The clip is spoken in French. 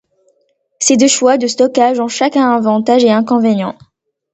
Ces deux choix de stockage ont chacun avantages et inconvénients.